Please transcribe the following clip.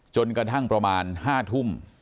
จนกระทั่งประมาณ๕ทุ่ม